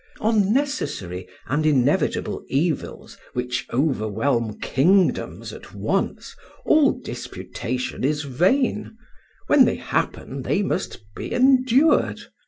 "On necessary and inevitable evils which overwhelm kingdoms at once all disputation is vain; when they happen they must be endured.